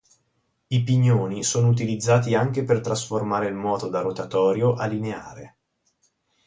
I pignoni sono utilizzati anche per trasformare il moto da rotatorio a lineare.